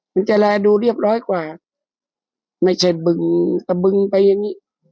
มันจะแลดูเรียบร้อยกว่าไม่ใช่บึงตะบึงไปอย่างนี้